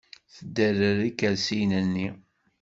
Tderrer ikersiyen-nni.